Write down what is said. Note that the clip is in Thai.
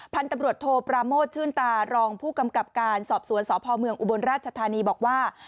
พันธุ์ตำรวจโทปราโมทชื่นตารองผู้กำกับการสอบสวนสพเมืองอุบลราชธานีบอกว่า